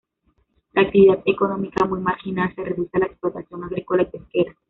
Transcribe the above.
La actividad económica, muy marginal, se reduce a la explotación agrícola y pesquera.